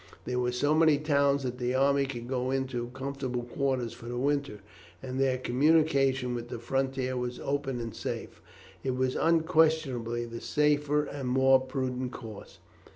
There were so many towns that the army could go into comfortable quarters for the winter, and their communications with the frontier were open and safe. It was unquestionably the safer and more prudent course.